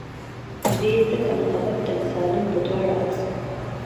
دے ځکه محبت ته مې سالم پۀ دواړه السه